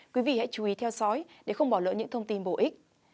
quý vị hãy chú ý theo dõi để không bỏ lỡ những thông tin bổ ích